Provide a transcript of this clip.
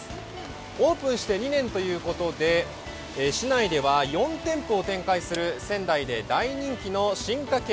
オープンして２年ということで市内では４店舗を展開する仙台で大人気の進化系